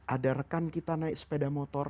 ada rekan kita naik sepeda motor